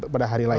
pada hari lain